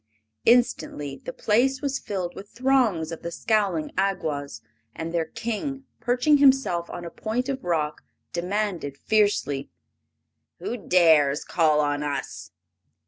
Instantly the place was filled with throngs of the scowling Awgwas, and their King, perching himself on a point of rock, demanded fiercely: "Who dares call on us?"